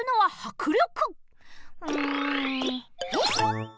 うんえい！